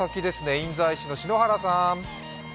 印西市の篠原さん。